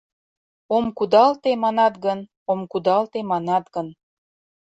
Ом кудалте манат гын, ом кудалте манат гын